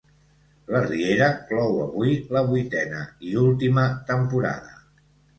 La Riera clou avui la vuitena i última temporada.